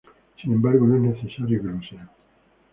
Sin embargo, no es necesario que lo sean.